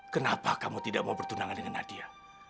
kenapa kamu tidak mau bertunangan dengan nadia